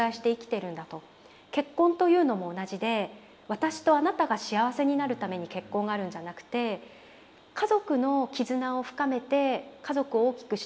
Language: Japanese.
結婚というのも同じで私とあなたが幸せになるために結婚があるんじゃなくて家族の絆を深めて家族を大きくしていくための結婚なんだと。